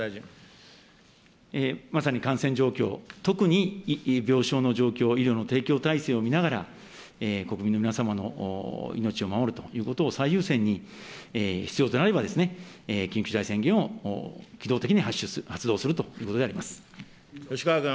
まさに感染状況、特に病床の状況、医療の提供体制を見ながら、国民の皆様の命を守るということを最優先に、必要となれば緊急事態宣言を機動的に発動するという吉川君。